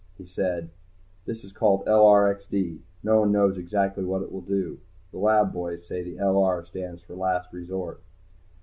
He said, "This is called LRXD. No one knows exactly what it will do. The lab boys say the 'LR' stands for Last Resort."